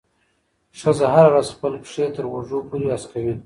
ښځه هره ورځ خپل پښې تر اوږو پورې هسکوي.